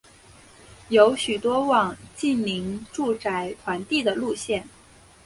有许多网近邻住宅团地的路线。